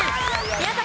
宮崎